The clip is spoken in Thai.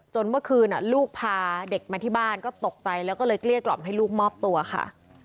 เมื่อคืนลูกพาเด็กมาที่บ้านก็ตกใจแล้วก็เลยเกลี้ยกล่อมให้ลูกมอบตัวค่ะ